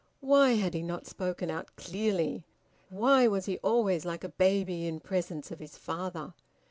Why had he not spoken out clearly? Why was he always like a baby in presence of his father?